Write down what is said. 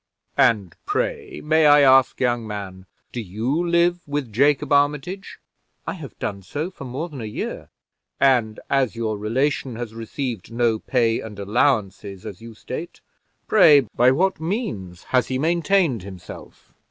"And pray, may I ask, young man, do you live with Jacob Armitage?" "I have done so for more than a year." "And as your relation has received no pay and allowances, as you state, pray by what means has he maintained himself?"